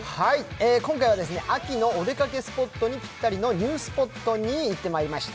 今回は、秋のお出かけスポットにピッタリのニュースポットに行ってまいりました。